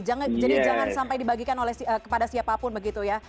jadi jangan sampai dibagikan kepada siapapun begitu ya